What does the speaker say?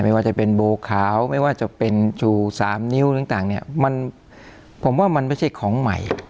ว่าจะเป็นโบขาวไม่ว่าจะเป็นชูสามนิ้วต่างเนี่ยมันผมว่ามันไม่ใช่ของใหม่